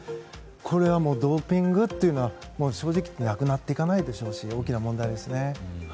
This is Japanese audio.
これはもうドーピングというのは正直なくなっていかないでしょうし大きな問題ですね。